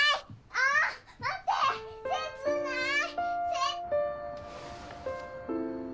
あっ待って切ない！